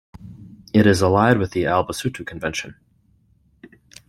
It is allied with the All Basotho Convention.